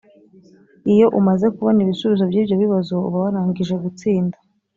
Iyo umaze kubona ibisubizo by’ibyo bibazo uba warangije gutsinda